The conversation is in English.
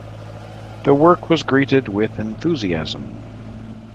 The work was greeted with enthusiasm.